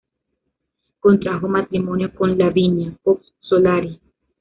Contrajo matrimonio con Lavinia Cox Solari.